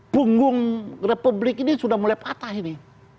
punggung republik ini sudah mulai patah ini